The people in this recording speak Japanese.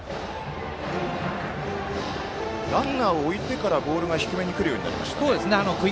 ランナーを置いてからボールが低めにくるようになりましたね。